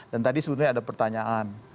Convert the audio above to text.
dan tadi sebenarnya ada pertanyaan